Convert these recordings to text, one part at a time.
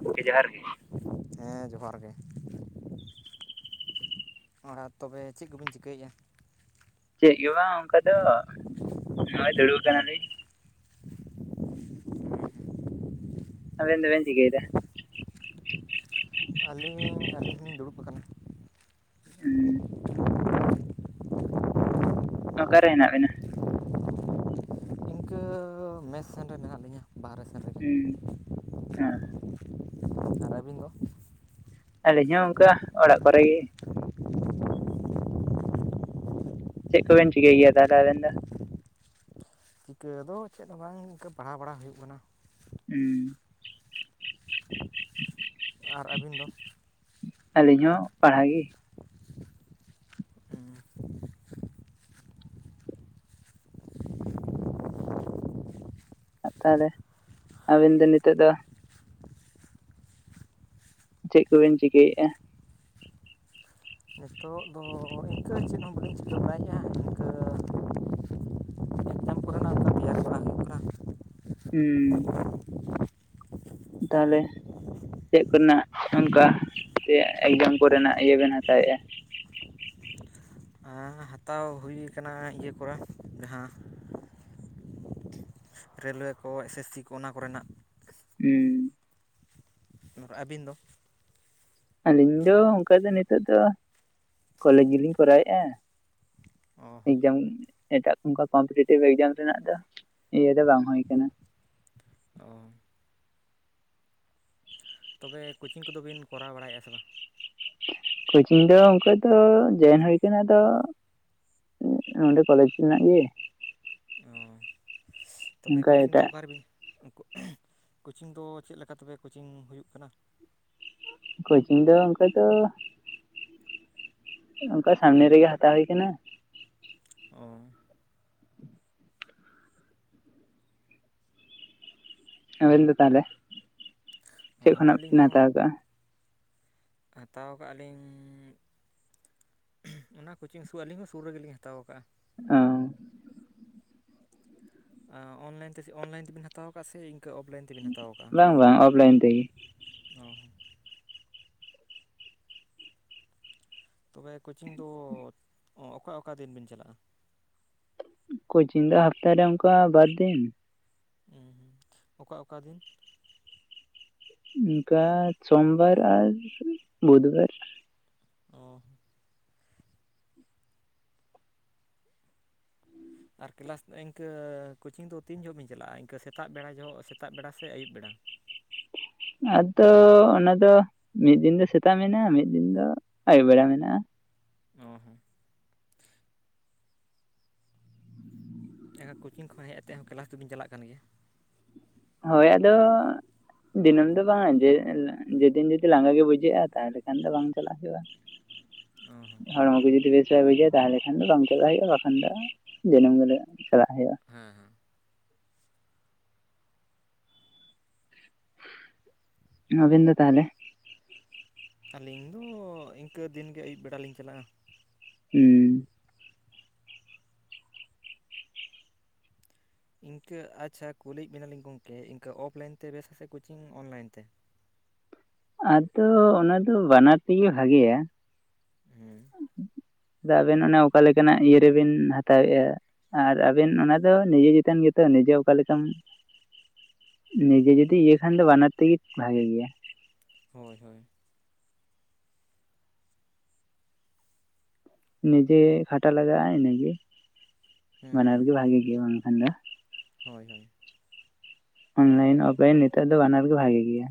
ᱜᱚᱝᱠᱮ ᱡᱚᱦᱟᱨ ᱜᱮ ᱦᱮᱸ ᱡᱚᱦᱟᱨ ᱜᱮ᱾ ᱟᱨ ᱛᱚᱵᱮ ᱪᱮᱫ ᱠᱚ ᱵᱤᱱ ᱪᱤᱠᱟᱹᱭᱮᱜᱟ? ᱪᱮᱜ ᱜᱮ ᱵᱟᱝ ᱚᱱᱠᱟ ᱫᱚ, ᱱᱚᱜᱼᱚᱭ ᱫᱩᱲᱩᱵ ᱦᱮᱸ ᱟᱠᱟᱱᱟᱞᱤᱧ᱾ ᱟᱵᱮᱱ ᱫᱚ ᱵᱮᱱ ᱪᱤᱠᱟᱭ ᱫᱟ? ᱟᱹᱞᱤᱧ, ᱟᱹᱞᱤᱧ ᱞᱤᱧ ᱫᱩᱲᱩᱵ ᱟᱠᱟᱱᱟ᱾ ᱩᱸ ᱚᱠᱟᱨᱮ ᱦᱮᱱᱟᱜ ᱵᱤᱱᱟ? ᱢᱮᱥ ᱥᱮᱥ ᱨᱮ ᱢᱮᱱᱟᱜ ᱞᱤᱧᱟᱹ ᱵᱟᱦᱨᱮ ᱥᱮᱫ ᱨᱮ ᱦᱩᱸ ᱟᱨ ᱟᱵᱤᱱ ᱫᱚ ᱟᱹᱞᱤᱧ ᱦᱚᱸ ᱚᱱᱠᱟ ᱚᱲᱟᱜ ᱠᱚᱨᱮ ᱜᱮ᱾ ᱪᱮᱫ ᱠᱚᱵᱮᱱ ᱪᱤᱠᱟᱹᱭ ᱜᱮᱭᱟ ᱛᱟᱦᱚᱞᱮ ᱟᱵᱮᱱ ᱫᱚ? ᱪᱤᱠᱟᱹ ᱫᱚ ᱪᱮᱫ ᱦᱚᱸ ᱵᱟᱝ ᱤᱱᱠᱟᱹ ᱯᱟᱲᱦᱟᱣ ᱵᱟᱲᱟ ᱦᱩᱭᱩᱜ ᱠᱟᱱᱟ᱾ ᱦᱩᱸ ᱟᱨ ᱟᱹᱵᱤᱱ ᱫᱚ? ᱟᱹᱞᱤᱧ ᱦᱚᱸ ᱯᱟᱲᱦᱟᱜ ᱜᱮ᱾ ᱦᱸ [unintelligible] ᱛᱟᱦᱚᱞᱮ ᱟᱹᱵᱤᱱ ᱫᱚ ᱱᱤᱛᱳᱜ ᱫᱚ? ᱪᱮᱫ ᱠᱚ ᱵᱮᱱ ᱪᱤᱠᱟᱹᱭᱮᱼᱟ‌‌? ᱱᱤᱛᱚᱜ ᱫᱚ ᱤᱱᱠᱟᱹ ᱪᱮᱫ ᱦᱚᱸ ᱵᱟᱹᱞᱤᱧ ᱪᱤᱠᱟᱹ ᱵᱟᱲᱟᱭᱮᱼᱟ ᱤᱱᱠᱟᱹ ᱮᱠᱡᱟᱢ ᱠᱚᱨᱮᱱᱟᱜ ᱚᱱᱠᱟ ᱛᱮᱭᱟᱨ ᱵᱟᱲᱟ ᱦᱩᱭᱩᱜ ᱠᱟᱱᱟ ᱩᱸ [unintelligible] ᱛᱟᱦᱚᱞᱮ ᱪᱮᱫ ᱠᱚ ᱨᱮᱱᱟᱜ ᱚᱱᱠᱟ ᱥᱮ ᱮᱠᱡᱟᱢ ᱠᱚ ᱨᱮᱱᱟᱜ ᱤᱭᱟᱹ ᱵᱮᱱ ᱦᱟᱛᱟᱣ ᱮᱫᱟ? ᱦᱟᱛᱟᱣ ᱦᱩᱭ ᱠᱟᱱᱟ ᱤᱭᱟᱹ ᱠᱚᱨᱮ ᱡᱟᱦᱟᱸ᱾ ᱨᱮᱹᱞᱳᱭᱮ ᱠᱚ ᱮᱥᱮᱥᱤ ᱠᱚ ᱚᱱᱟ ᱠᱚᱨᱮᱱᱟᱜ ᱦᱩᱸ [unintelligible] ᱟᱹᱵᱤᱱ ᱫᱚ? ᱟᱹᱞᱤᱧ ᱫᱚ ᱚᱱᱠᱟ ᱫᱚ ᱱᱤᱛᱚᱜ ᱫᱚ ᱠᱚᱞᱮᱡᱽ ᱜᱮ ᱞᱤᱧ ᱠᱚᱨᱟᱣ ᱮᱫᱟ᱾ ᱚ ᱦᱚᱸ ᱮᱠᱡᱟᱢ ᱮᱴᱟᱜ ᱚᱱᱠᱟ ᱠᱚᱢᱯᱤᱴᱤᱴᱤᱵᱷ ᱮᱠᱡᱟᱢ ᱨᱮᱱᱟᱜ ᱫᱚ ᱤᱭᱟᱹ ᱫᱚ ᱵᱟᱝ ᱦᱩᱭ ᱠᱟᱱᱟ᱾ ᱚ [unintelligible] ᱛᱚᱵᱮ ᱠᱳᱪᱤᱝ ᱠᱚ ᱫᱚ ᱵᱤᱱ ᱠᱚᱨᱟᱣ ᱵᱟᱲᱟᱭᱮᱫᱼᱟ ᱥᱮ ᱵᱟᱝ? ᱠᱳᱪᱤᱝ ᱫᱚ ᱚᱱᱠᱟ ᱫᱚ ᱡᱚᱭᱮᱱ ᱦᱩᱭ ᱠᱟᱱᱟ ᱛᱚ᱾ ᱱᱚᱸᱰᱮ ᱠᱚᱞᱮᱡᱽ ᱨᱮᱱᱟᱜ ᱜᱮ᱾ ᱚ ᱛᱚᱵᱮ ᱚᱱᱠᱟ ᱠᱳᱪᱤᱝ ᱫᱚ ᱮᱴᱟᱜ ᱚᱠᱟᱨᱮ ᱵᱤᱱᱼᱼ ᱠᱳᱪᱤᱝ ᱫᱚ ᱪᱮᱫ ᱞᱮᱠᱟ ᱛᱮᱵᱮ ᱠᱳᱪᱤᱝ ᱦᱩᱭᱩᱜ ᱠᱟᱱᱟ? ᱠᱳᱪᱤᱝ ᱫᱚ ᱚᱱᱠᱟ ᱫᱚ ᱚᱱᱠᱟ ᱥᱟᱢᱱᱮ ᱨᱮ ᱜᱮ ᱦᱟᱛᱟᱣ ᱦᱩᱭ ᱠᱟᱱᱟ᱾ ᱳ ᱟᱵᱮᱱ ᱫᱚ ᱛᱟᱦᱚᱞᱮ ᱪᱮᱫ ᱦᱚᱸ ᱠᱷᱚᱱᱟᱜ ᱟᱹᱞᱤᱧ ᱵᱮᱱ ᱦᱚᱸ ᱦᱟᱛᱟᱣ ᱠᱟᱜᱼᱟ? ᱦᱟᱛᱟᱣ ᱠᱟᱜᱼᱟ ᱞᱤᱧ᱾ ᱚᱱᱟ ᱠᱳᱪᱤᱝ ᱥᱩ ᱟᱹᱞᱤᱧ ᱦᱚᱸ ᱥᱩᱨ ᱨᱮᱜᱮ ᱞᱤᱧ ᱦᱟᱛᱟᱣ ᱠᱟᱜᱼᱟ᱾ ᱚ ᱚᱱᱞᱟᱭᱤᱱ ᱛᱮ ᱚᱱᱞᱟᱭᱤᱱ ᱛᱮᱵᱮᱱ ᱦᱟᱛᱟᱣ ᱟᱠᱟᱫ ᱥᱮ ᱤᱱᱠᱟᱹ ᱚᱯᱷᱞᱟᱭᱤᱱ? ᱛᱮᱵᱤᱱ ᱦᱟᱛᱟᱣ ᱟᱠᱟᱟᱜᱼᱟ ᱵᱟᱝ ᱵᱟᱝ ᱚᱯᱷᱞᱟᱭᱤᱱ ᱛᱮᱜᱮ ᱦᱚᱸ ᱛᱚᱵᱮ ᱠᱳᱪᱤᱝ ᱫᱚ ᱚᱠᱟ ᱚᱠᱟ ᱫᱤᱱ ᱵᱤᱱ ᱪᱟᱞᱟᱜᱼᱟ? ᱠᱳᱪᱤᱝ ᱫᱚ ᱦᱟᱯᱛᱟ ᱨᱮ ᱚᱱᱠᱟ ᱵᱟᱨ ᱫᱤᱱ᱾ ᱦᱚᱸ ᱦᱩᱸ ᱚᱠᱟ ᱚᱠᱟ ᱫᱤᱱ? ᱚᱱᱠᱟ ᱥᱚᱢᱵᱟᱨ ᱟᱨ ᱵᱩᱫᱷᱵᱟᱨ᱾ ᱚᱸ ᱟᱨ ᱠᱮᱞᱟᱥ ᱤᱱᱠᱟᱹ ᱠᱳᱪᱤᱝ ᱫᱚ ᱛᱤᱱ ᱡᱚᱦᱚᱜ ᱵᱤᱱ ᱪᱟᱞᱟᱜᱼᱟ ᱤᱱᱠᱟᱹ ᱥᱮᱛᱟᱜ ᱵᱮᱲᱟ ᱡᱚᱦᱚᱜ ᱥᱮᱛᱟᱜ ᱵᱮᱲᱟ ᱥᱮ ᱟᱹᱭᱩᱵ ᱵᱮᱲᱟ? ᱟᱫᱚ ᱚᱱᱟᱫᱚ ᱢᱤᱫ ᱫᱤᱱ ᱫᱚ ᱥᱮᱛᱟᱜ ᱢᱮᱱᱟᱜᱼᱟ ᱢᱤᱫ ᱫᱤᱱ ᱫᱚ ᱟᱹᱭᱩᱵ ᱵᱮᱲᱟ ᱢᱮᱱᱟᱜᱼᱟ᱾ ᱚ ᱦᱚᱸ ᱮᱠᱟ ᱠᱳᱪᱤᱝ ᱠᱷᱚᱡ ᱦᱮᱡ ᱠᱟᱛᱮᱫ ᱦᱚᱸ ᱠᱞᱟᱥ ᱫᱚᱞᱤᱧ ᱪᱟᱞᱟᱜ ᱠᱟᱱ ᱜᱮᱭᱟ? ᱦᱳᱭ ᱟᱫᱚ ᱫᱤᱱᱟᱹᱢ ᱫᱚ ᱵᱟᱝᱟ ᱡᱮ ᱡᱮᱫᱤᱱ ᱡᱩᱫᱤ ᱞᱟᱸᱜᱟ ᱜᱮ ᱵᱩᱡᱷᱟᱹᱜᱼᱟ ᱛᱟᱦᱚᱞᱮ ᱠᱷᱟᱱ ᱫᱚ ᱵᱟᱝ ᱪᱟᱞᱟᱜ ᱦᱩᱭᱩᱜᱼᱟ᱾ [unintelligible] ᱦᱚᱲᱢᱚ ᱠᱚ ᱡᱩᱫᱤ ᱵᱮᱥ ᱵᱟᱭ ᱵᱩᱡᱷᱟ ᱛᱟᱦᱚᱞᱮ ᱠᱷᱟᱱ ᱫᱚ ᱵᱟᱝ ᱪᱟᱞᱟᱜ ᱦᱩᱭᱩᱜᱼᱟ ᱵᱟᱠᱷᱟᱱ ᱫᱚ ᱫᱤᱱᱟᱹᱢ ᱜᱮᱞᱮ ᱪᱟᱞᱟᱜ ᱜᱮᱭᱟ ᱦᱮᱸ ᱦᱮᱸ ᱟᱹᱵᱤᱱ ᱫᱚ ᱛᱟᱦᱚᱞᱮ? ᱟᱹᱞᱤᱧ ᱫᱚ ᱤᱱᱠᱟᱹ ᱫᱤᱱ ᱜᱮ ᱟᱹᱭᱩᱵ ᱵᱮᱲᱟ ᱞᱤᱧ ᱪᱟᱞᱟᱜᱼᱟ᱾ ᱩᱸ ᱤᱱᱠᱟᱹ ᱟᱪᱪᱷᱟ ᱠᱩᱞᱤᱭᱮᱫ ᱵᱮᱱᱟᱞᱤᱧ ᱜᱚᱢᱠᱮ ᱤᱱᱠᱟᱹ ᱚᱯᱷᱞᱟᱭᱤᱱ ᱛᱮ ᱵᱮᱥ ᱥᱮ ᱠᱳᱪᱤᱝ ᱚᱱᱞᱟᱭᱤᱱ ᱛᱮ? ᱟᱫᱚ ᱚᱱᱟ ᱫᱚ ᱵᱟᱱᱟᱨ ᱛᱮᱜᱮ ᱵᱷᱟᱜᱤᱭᱟ ᱦᱩᱸ ᱪᱮᱫᱟᱜ ᱟᱵᱮᱱ ᱚᱱᱟ ᱚᱠᱟ ᱞᱮᱠᱟᱱᱟᱜ ᱤᱭᱟᱹ ᱨᱮᱵᱮᱱ ᱦᱟᱛᱟᱣᱮᱫᱼᱟ᱾ ᱟᱨ ᱟᱵᱮᱱ ᱚᱱᱟ ᱫᱚ ᱱᱤᱡᱮ ᱪᱮᱛᱟᱱ ᱜᱮᱛᱚ ᱱᱤᱡᱽ ᱡᱮ ᱚᱠᱟ ᱞᱮᱠᱟᱢ ᱱᱤᱡᱮ ᱡᱩᱫᱤ ᱤᱭᱟᱹ ᱠᱷᱟᱱ ᱫᱚ ᱵᱟᱱᱟᱨ ᱛᱮᱜᱮ ᱵᱷᱟᱜᱮ ᱜᱮᱭᱟ ᱦᱳᱭ ᱦᱳᱭ ᱱᱤᱡᱮ ᱠᱷᱟᱴᱟ ᱞᱟᱜᱟᱜᱼᱟ ᱤᱱᱟᱹᱜᱮ ᱦᱮᱸ ᱵᱟᱱᱟᱨ ᱦᱮᱸ ᱜᱮ ᱵᱷᱟᱜᱤ ᱜᱮ ᱵᱟᱝᱠᱷᱟᱱ ᱫᱚ ᱦᱳᱭ ᱦᱳᱭ ᱚᱱᱞᱟᱭᱤᱱ ᱚᱯᱷᱞᱟᱭᱤᱱ ᱱᱮᱛᱟᱨ ᱫᱚ ᱵᱟᱱᱟᱨ ᱜᱮ ᱵᱷᱟᱜᱤ ᱜᱮᱭᱟ᱾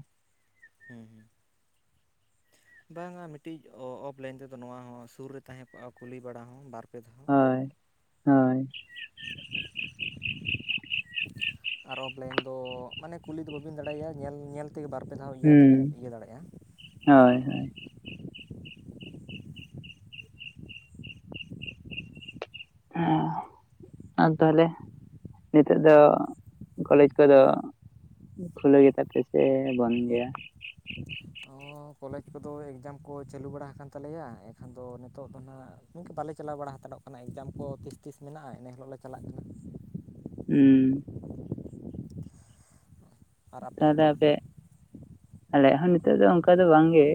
ᱦᱩᱸ ᱦᱩᱸ ᱵᱟᱝᱟ ᱢᱤᱫᱴᱤᱡ ᱚᱯᱷᱞᱟᱭᱤᱱ ᱛᱮᱫᱚ ᱱᱚᱣᱟ ᱦᱚᱸ ᱥᱩᱨ ᱨᱮ ᱛᱟᱦᱮᱸ ᱠᱚᱜᱼᱟ ᱠᱩᱞᱤ ᱵᱟᱲᱟ ᱦᱚᱸ ᱵᱟᱨᱯᱮ ᱫᱷᱟᱣ ᱦᱳᱭ ᱦᱳᱭ [inaudible] ᱟᱨ ᱚᱯᱷᱞᱟᱭᱤᱱ ᱫᱚ ᱢᱟᱱᱮ ᱠᱩᱞᱤ ᱫᱚ ᱵᱟᱹᱵᱤᱱ ᱫᱟᱲᱮᱟᱭᱟ ᱧᱮᱞ ᱧᱮᱞ ᱛᱮᱜᱮ ᱵᱟᱨ ᱯᱮ ᱫᱷᱟᱣ ᱦᱩᱸ ᱤᱭᱟᱹᱛᱮᱵᱤᱱ ᱤᱭᱟᱹ ᱫᱟᱲᱮᱭᱟᱜᱼᱟ᱾ ᱦᱳᱭ ᱦᱳᱭ ᱦᱮᱸ ᱟ ᱛᱟᱦᱚᱞᱮ ᱱᱤᱛᱚᱜ ᱫᱚ ᱠᱚᱞᱮᱡᱽ ᱠᱚᱫᱚ ᱠᱷᱩᱞᱟᱹ ᱜᱮᱛᱟ ᱯᱮᱪᱮ ᱵᱚᱱᱫ ᱜᱮᱭᱟ? ᱚ ᱠᱚᱞᱮᱡᱽ ᱠᱚᱫᱚ ᱮᱠᱡᱟᱢ ᱠᱚ ᱪᱟᱹᱞᱩ ᱵᱟᱲᱟ ᱦᱟᱟᱠᱟᱱ ᱛᱟᱞᱮᱭᱟ ᱮᱱᱠᱷᱟᱱ ᱫᱚ ᱱᱤᱛᱚᱜ ᱫᱚ ᱱᱟᱦᱟᱜ ᱤᱱᱠᱟᱹ ᱵᱟᱞᱮ ᱪᱟᱞᱟᱣ ᱵᱟᱲᱟ ᱦᱟᱛᱟᱲᱚᱜ ᱠᱟᱱᱟ᱾ ᱚᱱᱟ ᱮᱠᱡᱟᱢ ᱠᱚ ᱛᱤᱥ ᱛᱤᱥ ᱢᱮᱱᱟᱜᱼᱟ ᱤᱱᱟᱹ ᱦᱤᱞᱳᱜ ᱞᱮ ᱪᱟᱞᱟᱜ ᱠᱟᱱᱟ᱾ ᱩᱸᱻ ᱟᱨ ᱟᱯᱮᱭᱟᱜ ᱛᱟᱦᱚᱞᱮ ᱫᱚ ᱟᱯᱮ ᱟᱞᱮᱭᱟᱜ ᱦᱚᱸ ᱱᱤᱛᱚᱜ ᱫᱚ ᱚᱱᱠᱟ ᱫᱚ ᱵᱟᱝᱜᱮ᱾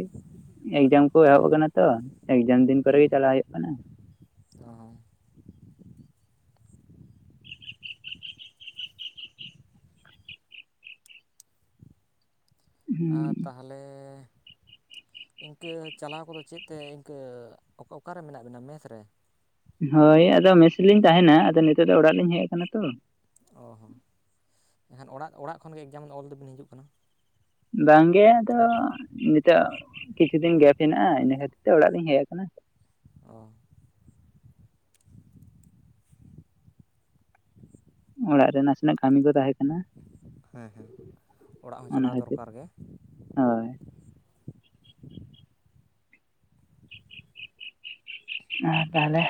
ᱮᱠᱡᱟᱢ ᱠᱚ ᱮᱦᱚᱵᱽ ᱦᱮᱸ ᱟᱠᱟᱱᱟ ᱛᱚ ᱮᱠᱡᱟᱢ ᱫᱤᱱ ᱠᱚᱨᱮ ᱜᱮ ᱪᱟᱞᱟᱜ ᱦᱩᱭᱩᱜ ᱠᱟᱱᱟ᱾ ᱚᱦᱚᱸ ᱟᱨ ᱛᱟᱦᱞᱮ ᱤᱱᱠᱟᱹ ᱪᱟᱞᱟᱣ ᱠᱚᱫᱚ ᱪᱮᱫ ᱛᱮ ᱤᱱᱠᱟᱹ ᱚᱠᱟᱨᱮ ᱢᱮᱱᱟᱜ ᱵᱮᱤᱟ? ᱢᱮᱥ ᱨᱮ! ᱦᱳᱭ ᱟᱫᱚ ᱢᱮᱥ ᱞᱤᱧ ᱛᱟᱦᱮᱱᱟ ᱟᱫᱚ ᱱᱤᱛᱚᱜ ᱫᱚ ᱚᱲᱟᱜ ᱞᱤᱧ ᱦᱮᱡ ᱟᱠᱟᱱᱟ ᱛᱚ᱾ ᱚ ᱦᱚᱸ ᱮᱱᱠᱷᱟᱱ ᱚᱲᱟᱜ ᱚᱲᱟᱜ ᱠᱷᱚᱱᱜᱮ ᱮᱠᱡᱟᱢ ᱚᱞ ᱫᱚᱵᱤᱱ ᱦᱤᱡᱩᱜ ᱠᱟᱱᱟ ᱵᱟᱝᱜᱮ ᱟᱫᱚ ᱱᱤᱛᱚᱜ ᱠᱤᱪᱷᱩ ᱫᱤᱱ ᱜᱮᱯ ᱦᱮᱱᱟᱜᱼᱟ ᱤᱱᱟᱹ ᱠᱷᱟᱹᱛᱤᱨ ᱛᱮ ᱚᱲᱟᱜ ᱞᱤᱧ ᱦᱮᱡ ᱟᱠᱟᱱᱟ᱾ ᱚ [inaudible] ᱚᱲᱟᱜ ᱨᱮ ᱱᱟᱥᱮᱱᱟᱜ ᱠᱟᱹᱢᱤ ᱜᱚᱛ ᱦᱮᱸ ᱦᱮᱸ ᱚᱲᱟᱜ ᱦᱚᱸ ᱚᱱᱟ ᱪᱟᱞᱟᱣ ᱠᱷᱟᱹᱛᱤᱨ ᱫᱚᱨᱠᱟᱨ ᱜᱮ ᱦᱳᱭ ᱟᱨ ᱛᱟᱦᱞᱮ,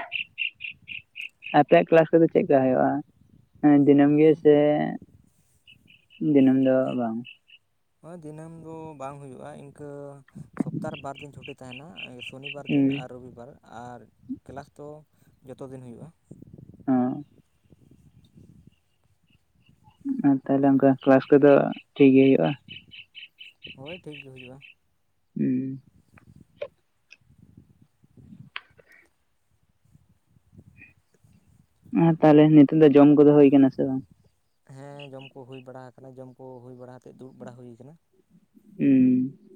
ᱟᱯᱮᱭᱟᱜ ᱠᱮᱞᱟᱥ ᱠᱚᱫᱚ ᱪᱮᱫᱞᱮᱠᱟ ᱦᱩᱭᱩᱜᱼᱟ? ᱦᱮᱸ ᱫᱤᱱᱟᱹᱢ ᱜᱮ ᱦᱮᱸ ᱥᱮ ᱫᱤᱱᱟᱹᱢ ᱫᱚ ᱵᱟᱝ ᱦᱳᱭ ᱫᱤᱱᱟᱹᱢ ᱫᱚ ᱵᱟᱝ ᱦᱩᱭᱩᱜᱼᱟ ᱤᱱᱠᱟᱹ ᱥᱚᱯᱛᱟᱨᱮ ᱵᱟᱨ ᱫᱤᱱ ᱪᱷᱩᱴᱤ ᱛᱟᱦᱮᱱᱟ ᱥᱚᱱᱤᱵᱟᱨ ᱦᱩᱸ ᱫᱤᱱ ᱟᱨ ᱨᱚᱵᱤᱵᱟᱨ ᱟᱨ ᱠᱮᱞᱟᱥ ᱫᱚ ᱡᱚᱛᱚ ᱫᱤᱱ ᱦᱩᱭᱩᱜᱼᱟ ᱦᱚᱸ ᱟᱨ ᱛᱟᱦᱞᱮ ᱚᱱᱠᱟ ᱠᱟᱞᱟᱥ ᱠᱚᱫᱚ ᱴᱷᱤᱠᱜᱮ ᱦᱩᱭᱩᱜᱼᱟ ᱦᱳᱭ ᱴᱷᱤᱠ ᱜᱮ ᱦᱩᱭᱩᱜᱼᱟ᱾ ᱩᱸ ᱟᱨ ᱛᱟᱦᱚᱞᱮ ᱱᱤᱛᱚᱜ ᱫᱚ ᱡᱚᱢ ᱠᱚᱫᱚ ᱦᱩᱭ ᱠᱟᱱᱟ ᱥᱮ ᱵᱟᱝ? ᱦᱮᱸ ᱡᱚᱢ ᱠᱚ ᱦᱩᱭ ᱵᱟᱲᱟ ᱟᱠᱟᱱᱟ ᱡᱚᱢ ᱠᱚ ᱦᱩᱭ ᱵᱟᱲᱟ ᱠᱟᱛᱮᱫ ᱫᱩᱲᱩᱵ ᱵᱟᱲᱟ ᱦᱩᱭ ᱟᱠᱟᱱᱟ᱾ ᱦᱩᱸ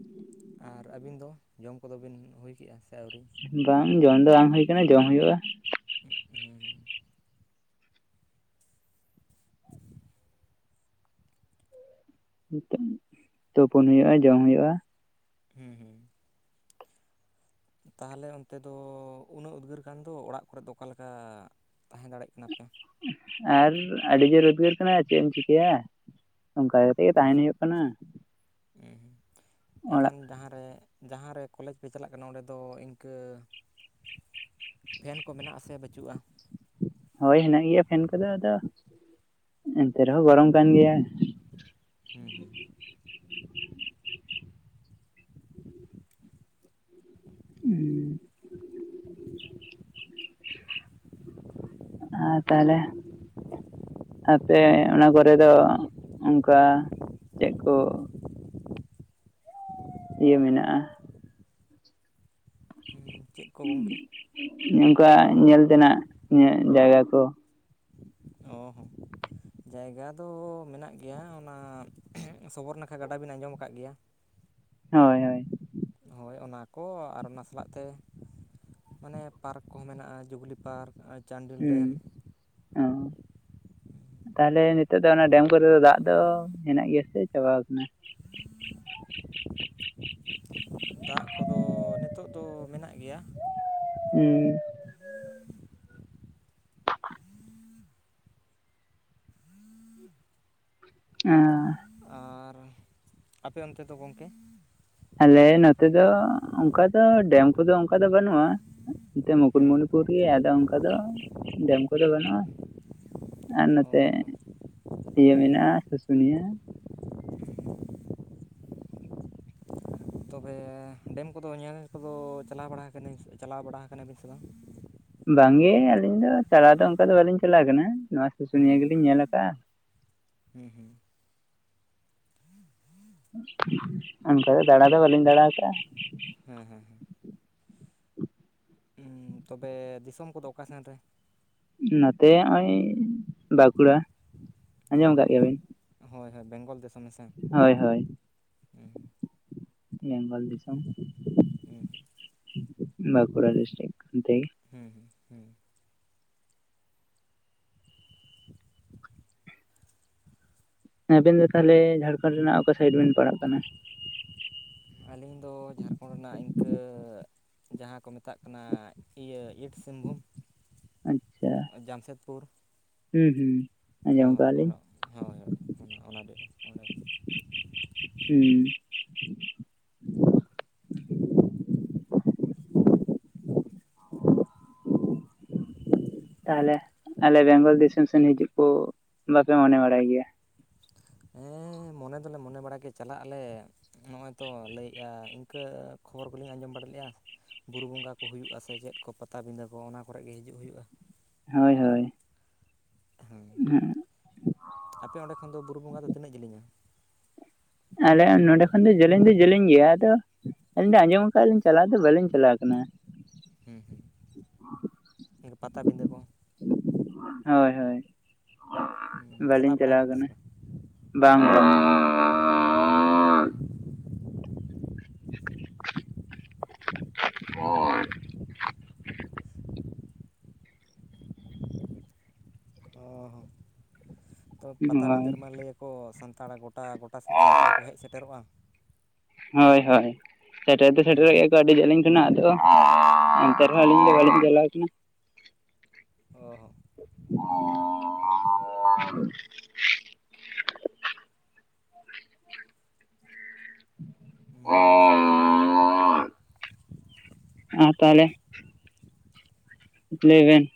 ᱟᱨ ᱟᱹᱵᱤᱱ ᱫᱚ ᱡᱚᱢ ᱠᱚᱫᱚ ᱵᱤᱱ ᱦᱩᱭ ᱠᱮᱜᱼᱟ ᱟᱹᱣᱨᱤ ᱵᱟᱝ ᱡᱚᱢ ᱫᱚ ᱵᱟᱝ ᱦᱩᱭ ᱠᱟᱱᱟ, ᱡᱚᱢ ᱦᱩᱭᱩᱜᱼᱟ᱾ ᱩᱦ ᱦᱩᱸ [inaudible] [unintelligible] ᱛᱩᱯᱩᱱ ᱦᱩᱭᱩᱜᱼᱟ ᱡᱚᱢ ᱦᱩᱭᱩᱜᱼᱟ ᱦᱩᱸ ᱦᱩᱸ ᱛᱟᱦᱞᱮ ᱚᱱᱛᱮ ᱫᱚ ᱩᱱᱟᱹᱜ ᱩᱫᱽᱜᱟᱹᱨ ᱠᱟᱱᱟ ᱫᱚ ᱚᱲᱟᱜ ᱠᱚᱨᱮ ᱫᱚ ᱚᱠᱟ ᱞᱮᱠᱟ ᱛᱟᱦᱮᱸ ᱫᱟᱲᱮᱜ ᱠᱟᱱᱟ ᱯᱮ ᱟᱨ ᱟᱹᱰᱤ ᱡᱳᱨ ᱩᱫᱽᱜᱟᱹᱨ ᱠᱟᱱᱟ ᱪᱮᱫ ᱮᱢ ᱪᱤᱠᱟᱹᱭᱟ ᱚᱱᱠᱟ ᱠᱟᱛᱮ ᱜᱮ ᱛᱟᱦᱮᱱ ᱦᱩᱭᱩᱜ ᱠᱟᱱᱟ ᱩᱸ ᱮᱠᱷᱟᱱ ᱚᱲᱟᱜ ᱡᱟᱦᱟᱸ ᱨᱮ ᱡᱟᱦᱟᱸᱨᱮ ᱠᱚᱞᱮᱡᱽ ᱯᱮ ᱪᱟᱞᱟᱜ ᱠᱟᱱᱟ ᱚᱸᱰᱮ ᱫᱚ ᱤᱱᱠᱟᱹ ᱯᱷᱮᱱ ᱠᱚ ᱢᱮᱱᱟᱜ ᱟᱥᱮ ᱵᱟᱹᱪᱩᱜᱼᱟ ᱦᱳᱭ ᱦᱮᱱᱟᱜ ᱜᱮᱭᱟ ᱯᱷᱮᱱ ᱠᱚᱫᱚ ᱟᱫᱚ ᱮᱱᱛᱮ ᱨᱮᱦᱚᱸ ᱜᱚᱨᱚᱢ ᱠᱟᱱ ᱜᱮᱭᱟ ᱦᱩᱸ ᱦᱩᱸ [unintelligible] [unintelligible] ᱟᱸ ᱛᱟᱦᱞᱮ ᱟᱯᱮ ᱚᱱᱟ ᱠᱚᱨᱮ ᱫᱚ ᱚᱱᱠᱟ ᱪᱮᱫ ᱠᱚ ᱤᱭᱟᱹ ᱢᱮᱱᱟᱜᱼᱟ ᱪᱮᱫ ᱠᱚ ᱜᱚᱢᱠᱮ ᱚᱱᱠᱟ ᱧᱮᱞ ᱛᱮᱱᱟᱜ ᱧᱮ ᱡᱟᱭᱜᱟ ᱠᱚ ᱚ ᱦᱚᱸ ᱡᱟᱭᱜᱟ ᱫᱚ ᱢᱮᱱᱟᱜ ᱜᱮᱭᱟ ᱚᱱᱟ ᱥᱚᱵᱚᱨ ᱱᱟᱠᱷᱟ ᱜᱟᱰᱟ ᱵᱤᱱ ᱟᱸᱡᱚᱢ ᱟᱠᱟᱫ ᱜᱮᱭᱟ ᱦᱳᱭ ᱦᱳᱭ ᱦᱳᱭ ᱚᱱᱟ ᱠᱚ ᱟᱨ ᱚᱱᱟ ᱥᱟᱞᱟᱜ ᱛᱮ ᱢᱟᱱᱮ ᱯᱟᱨᱠ ᱠᱚᱸ ᱢᱮᱱᱟᱜᱼᱟ ᱡᱩᱵᱽᱞᱤ ᱯᱟᱨᱠ ᱪᱟᱱᱰᱤᱞ ᱰᱮᱢ ᱦᱩᱸ ᱚ ᱛᱟᱦᱞᱮ ᱱᱤᱛᱚᱜ ᱫᱚ ᱚᱱᱟ ᱰᱮᱢ ᱠᱚᱨᱮ ᱫᱚ ᱫᱟᱜ ᱫᱚ ᱦᱮᱱᱟᱜ ᱜᱮᱭᱟ ᱥᱮ ᱪᱟᱵᱟᱣ ᱠᱟᱱᱟ ᱫᱟᱜ ᱠᱚᱫᱚ ᱱᱤᱛᱳᱜ ᱫᱚ ᱢᱮᱱᱟᱜ ᱜᱮᱭᱟ [unintelligible] ᱩᱸ [inaudible] ᱟᱻ [unintelligible] ᱟᱨ ᱟᱯᱮ ᱚᱱᱛᱮ ᱫᱚ ᱜᱚᱢᱠᱮ ᱟᱞᱮ ᱱᱚᱛᱮ ᱫᱚ ᱚᱱᱠᱟ ᱫᱚ ᱰᱮᱢ ᱠᱚᱫᱚ ᱚᱱᱠᱟ ᱫᱚ ᱵᱟᱹᱱᱩᱜᱼᱟ ᱱᱚᱛᱮ ᱦᱮᱸ ᱢᱩᱠᱩᱴᱢᱩᱱᱤᱯᱩᱨ ᱜᱮ ᱟᱫᱚ ᱚᱱᱠᱟ ᱫᱚ ᱰᱮᱢ ᱠᱚᱫᱚ ᱵᱟᱹᱱᱩᱜᱼᱟ ᱟᱨ ᱚ ᱱᱚᱛᱮ ᱤᱭᱟᱹ ᱢᱮᱱᱟᱜᱼᱟ ᱥᱩᱥᱩᱱᱤᱭᱟᱹ ᱛᱚᱵᱮ ᱰᱮᱢ ᱠᱚᱫᱚ ᱧᱮᱞ ᱠᱚᱫᱚ ᱪᱟᱞᱟᱣ ᱵᱟᱲᱟ ᱟᱠᱟᱱᱟᱹᱧ ᱪᱟᱞᱟᱣ ᱵᱟᱲᱟ ᱟᱠᱟᱱᱟᱵᱤᱱ ᱥᱮ ᱵᱟᱝ ᱵᱟᱝ ᱜᱮ ᱟᱹᱞᱤᱧ ᱫᱚ ᱪᱟᱞᱟᱣ ᱫᱚ ᱚᱱᱠᱟ ᱫᱚ ᱵᱟᱞᱤᱧ ᱪᱟᱞᱟᱣ ᱟᱠᱟᱱᱟ ᱱᱚᱣᱟ ᱥᱩᱥᱩᱱᱤᱭᱟᱹ ᱜᱮᱞᱤᱧ ᱧᱮᱞ ᱟᱠᱟᱜᱼᱟ ᱦᱩᱸ ᱦᱩᱸ ᱚᱱᱠᱟ ᱫᱚ ᱫᱟᱬᱟ ᱫᱚ ᱵᱟᱹᱞᱤᱧ ᱫᱟᱬᱟ ᱟᱠᱟᱜᱼᱟ ᱦᱮᱸ ᱦᱮᱸ ᱦᱮᱸ ᱦᱩᱸ ᱛᱚᱵᱮ ᱫᱤᱥᱚᱢ ᱠᱚᱫᱚ ᱚᱠᱟ ᱥᱮᱱ ᱨᱮ ᱱᱚᱛᱮ ᱦᱚᱜᱼᱚᱭ ᱵᱟᱸᱠᱩᱲᱟ ᱚ ᱟᱸᱡᱚᱢ ᱟᱠᱟᱜ ᱦᱚᱸ ᱜᱮᱭᱟ ᱵᱤᱱ ᱦᱳᱭ ᱦᱳ ᱵᱮᱝᱜᱚᱞ ᱫᱮᱥ ᱦᱳᱭ ᱦᱳᱭ ᱦᱮᱸ ᱵᱮᱝᱜᱚᱞ ᱫᱤᱥᱚᱢ ᱦᱩᱸ ᱦᱩᱸ ᱵᱟᱸᱠᱩᱲᱟ ᱰᱤᱥᱴᱤᱠ ᱚᱱᱛᱮ ᱜᱮ ᱦᱮᱸ ᱦᱩᱸ ᱦᱩᱸ [inaudible] ᱮ ᱟᱵᱤᱱ ᱫᱚ ᱛᱟᱦᱞᱮ ᱡᱷᱟᱲᱠᱷᱚᱱᱰ ᱨᱮᱱᱟᱜ ᱚᱠᱟ ᱥᱟᱭᱤᱰ ᱵᱤᱱ ᱯᱟᱲᱟᱜ ᱠᱟᱱᱟ ᱟᱹᱞᱤᱧ ᱫᱚ ᱡᱷᱟᱲᱠᱷᱚᱸᱰ ᱨᱮᱱᱟᱜ ᱤᱱᱠᱟᱹ ᱡᱟᱦᱟᱸ ᱠᱚ ᱢᱮᱛᱟᱜ ᱠᱟᱱᱟ ᱤᱭᱟᱹ ᱤᱥᱴ ᱥᱤᱝᱵᱷᱩᱢ ᱟᱪᱪᱷᱟ ᱡᱟᱢᱥᱮᱫᱽᱯᱩᱨ ᱦᱩᱸ ᱦᱩᱸ᱾ ᱟᱸᱡᱚᱢ ᱦᱳᱭ ᱠᱟᱜᱼᱟ ᱞᱤᱧ ᱟᱢᱟᱜ ᱦᱮᱸ ᱦᱳᱭᱳᱜ ᱚᱱᱟ ᱚᱱᱟ ᱫᱚ ᱚᱸᱰᱮ ᱦᱩᱸ᱾ ᱛᱟᱦᱚᱞᱮ ᱟᱞᱮ ᱵᱮᱝᱜᱚᱞ ᱫᱤᱥᱚᱢ ᱥᱮᱱ ᱦᱤᱡᱩᱜ ᱠᱚ ᱵᱟᱯᱮ ᱢᱚᱱᱮ ᱵᱟᱲᱟᱭ ᱜᱮᱭᱟ᱾ ᱦᱮᱸ ᱢᱚᱱᱮ ᱫᱚᱞᱮ ᱢᱚᱱᱮ ᱵᱟᱲ ᱜᱮ ᱪᱟᱞᱟᱜ ᱟᱞᱮ᱾ ᱱᱚᱜᱼᱚᱸᱭ ᱛᱚ ᱞᱟᱹᱭᱮᱫᱼᱟ ᱤᱱᱠᱟᱹ ᱠᱷᱚᱵᱚᱨ ᱠᱚᱞᱤᱧ ᱟᱸᱡᱚᱢ ᱵᱟᱲᱟ ᱞᱮᱫᱼᱟ᱾ ᱵᱩᱨᱩ ᱵᱚᱸᱜᱟ ᱠᱚ ᱦᱩᱭᱩᱜᱼᱟ ᱥᱮ ᱪᱮᱫ ᱠᱚ ᱯᱟᱛᱟᱵᱤᱸᱫᱟᱹ ᱠᱚ ᱚᱱᱟ ᱠᱚᱨᱮᱜ ᱜᱮ ᱦᱤᱡᱩᱜ ᱦᱩᱭᱩᱜᱼᱟ᱾ ᱦᱳᱭ ᱦᱳᱭ᱾ ᱦᱮᱸ ᱦᱩᱸ ᱟᱯᱮ ᱚᱸᱰᱮ ᱠᱷᱚᱱ ᱫᱚ ᱵᱩᱨᱩ ᱵᱚᱸᱜᱟ ᱫᱚ ᱛᱤᱱᱟᱹᱜ ᱡᱮᱞᱤᱧᱟ? ᱟᱞᱮ ᱱᱚᱰᱮ ᱠᱷᱚᱱ ᱫᱚ ᱡᱮᱞᱮᱧ ᱫᱚ ᱡᱮᱞᱮᱧ ᱜᱮᱭᱟ, ᱟᱫᱚ ᱟᱹᱞᱤᱧ ᱫᱚ ᱟᱸᱡᱚᱢ ᱟᱠᱟᱜ ᱟᱹᱞᱤᱧ ᱪᱟᱞᱟᱣ ᱫᱚ ᱵᱟᱹᱞᱤᱧ ᱪᱟᱞᱟᱣ ᱠᱟᱱᱟ᱾ ᱦᱩᱸ ᱦᱩᱸ ᱯᱟᱛᱟᱵᱤᱸᱰᱟᱹ ᱠᱚ᱾ ᱦᱮᱸ ᱦᱮᱸ ᱵᱟᱹᱞᱤᱧ ᱵᱟᱲᱟ ᱪᱟᱞᱟᱣ ᱟᱠᱟᱱᱟ ᱥᱮ ᱠᱟᱱᱟ᱾ ᱵᱟᱝ ᱵᱟᱝ [inaudible] ᱚ ᱦᱚᱸ ᱛᱚ ᱯᱟᱛᱟᱵᱤᱸᱫᱟᱹ ᱦᱳᱭ ᱨᱮ ᱢᱟ ᱞᱟᱹᱭ ᱠᱚ ᱥᱟᱱᱛᱟᱲ ᱜᱚᱴᱟ ᱜᱚᱴᱟ ᱥᱮᱱᱤᱡ ᱥᱟᱱᱛᱟᱲ ᱠᱚ ᱦᱮᱡ ᱥᱮᱴᱮᱨᱚᱜᱼᱟ᱾ ᱦᱳᱭ ᱦᱳᱭ ᱥᱮᱴᱮᱨ ᱫᱚ ᱦᱮᱸ ᱥᱮᱴᱮᱨᱚᱜ ᱜᱮᱭᱟ᱾ ᱟᱹᱰᱤ ᱡᱮᱞᱤᱧ ᱠᱟᱱᱟ ᱟᱫᱚ ᱮᱱᱛᱮ ᱨᱮᱦᱚᱸ ᱟᱹᱞᱤᱧ ᱫᱚ ᱵᱟᱹᱞᱤᱧ ᱪᱟᱞᱟᱣ ᱠᱟᱱᱟ᱾ ᱚ ᱦᱚᱸ [inaudible] [inaudible] ᱦᱚᱸ [inaudible] ᱟ ᱛᱟᱦᱚᱞᱮ ᱞᱮᱵᱮᱱ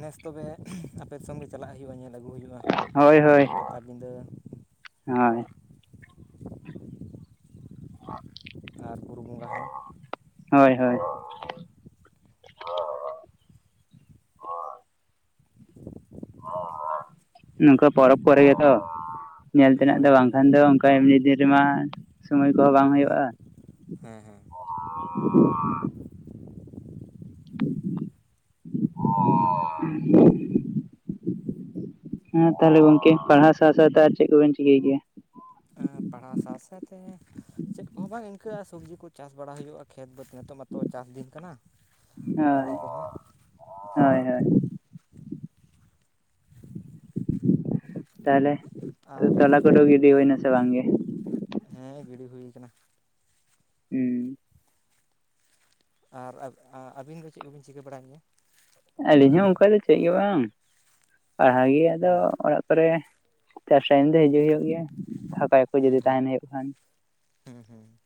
ᱱᱮᱥ ᱛᱚᱵᱮ ᱟᱯᱮ ᱫᱤᱥᱚᱢ ᱜᱮ ᱪᱟᱞᱟᱜ ᱦᱩᱭᱩᱜᱼᱟ ᱧᱮᱞ ᱟᱹᱜᱩ ᱦᱩᱭᱩᱜᱼᱟ ᱦᱳᱭ ᱦᱳᱭ ᱯᱟᱛᱟᱵᱤᱫᱟᱹ᱾ ᱦᱳᱭ ᱟᱨ ᱵᱩᱨᱩ ᱵᱚᱸᱜᱟ ᱦᱚᱸ ᱦᱳᱭ ᱦᱳᱭ᱾ ᱱᱚᱝᱠᱟ ᱯᱚᱨᱚᱵᱽ ᱠᱚᱨᱮ ᱜᱮᱛᱚ ᱧᱮᱞ ᱛᱮᱱᱟᱜ ᱦᱳᱭ ᱫᱚ ᱦᱳᱭ ᱵᱟᱝᱠᱷᱟᱱ ᱦᱳᱭ ᱫᱚ ᱚᱱᱠᱟ ᱮᱢᱱᱤ ᱫᱤᱱ ᱨᱮᱢᱟ ᱥᱳᱢᱚᱭ ᱠᱚ ᱦᱚᱸ ᱵᱟᱝ ᱦᱮᱸ ᱦᱩᱭᱩᱜᱼᱟ᱾ ᱦᱮᱸ ᱦᱮᱸ᱾ [inaudible] [inaudible] [inaudible] ᱦᱮᱸ ᱛᱟᱦᱚᱞᱮ ᱜᱚᱝᱠᱮ ᱯᱟᱲᱦᱟᱣ ᱥᱟᱶ ᱥᱟᱶ ᱛᱮ ᱟᱨ ᱪᱮᱜ ᱠᱚᱵᱮᱱ ᱪᱤᱠᱟᱹᱭ ᱜᱮᱭᱟ? ᱯᱟᱲᱦᱟᱣ ᱥᱟᱶ ᱥᱟᱶᱛᱮ ᱪᱮᱫ ᱠᱚᱦᱚᱸ ᱵᱟᱝ ᱤᱱᱠᱟᱹ ᱟᱨ ᱥᱚᱵᱽᱡᱤ ᱠᱚ ᱪᱟᱥ ᱵᱟᱲᱟ ᱦᱩᱭᱩᱜᱼᱟ᱾ ᱠᱷᱮᱛ ᱵᱟᱹᱛ ᱱᱤᱛᱚᱜ ᱢᱟᱛᱚ ᱪᱟᱥ ᱫᱤᱱ ᱠᱟᱱᱟ ᱦᱳᱭ ᱦᱩᱲᱩ ᱠᱚᱦᱚᱸ ᱦᱳᱭ ᱦᱳᱭ ᱛᱟᱦᱚᱞᱮ ᱟᱨ ᱛᱚᱞᱟ ᱠᱚᱫᱚ ᱜᱤᱰᱤ ᱦᱩᱭᱱᱟ ᱥᱮ ᱵᱟᱝ ᱜᱮ? ᱦᱮᱸ ᱜᱤᱰᱤ ᱦᱩᱭᱩ ᱠᱟᱱᱟ ᱦᱩᱸ ᱟᱨ ᱟᱹᱵᱤᱱ ᱫᱚ ᱪᱮᱫ ᱠᱚᱵᱤᱱ ᱪᱤᱠᱟᱹ ᱵᱟᱲᱟᱭ ᱢᱮᱭᱟ? ᱟᱹᱞᱤᱧ ᱦᱚᱸ ᱚᱱᱠᱟ ᱫᱚ ᱪᱮᱫ ᱜᱮ ᱵᱟᱝ ᱯᱟᱲᱦᱟᱣ ᱜᱮ ᱟᱫᱚ ᱦᱮᱸ ᱚᱲᱟᱜ ᱠᱚᱨᱮ ᱪᱟᱥ ᱴᱟᱭᱤᱢ ᱫᱚ ᱦᱤᱡᱩᱜ ᱦᱩᱭᱩᱜ ᱜᱮᱭᱟ ᱯᱷᱟᱠᱟ ᱠᱚ ᱡᱩᱫᱤ ᱛᱟᱦᱮᱱ ᱦᱩᱭᱩᱜ ᱠᱷᱟᱱ᱾ ᱦᱩᱸ ᱦᱩᱸ